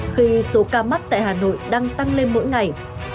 khi số ca mắc tại hà nội đang tăng lên mỗi ngày